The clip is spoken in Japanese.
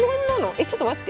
えちょっと待って。